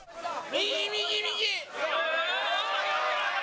右、右、右！